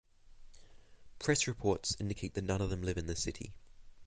Press reports indicate that none of them live in the city.